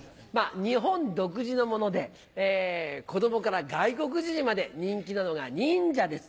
日本独自のもので子供から外国人にまで人気なのが忍者です。